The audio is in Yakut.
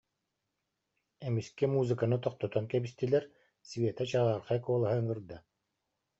Эмискэ музыканы тохтотон кэбистилэр, Света чаҕаархай куолаһа ыҥырда: